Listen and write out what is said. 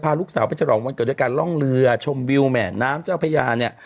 ลูกสาวไปฉลองวันเกิดด้วยการล่องเรือชมวิวแหม่น้ำเจ้าพญาเนี่ย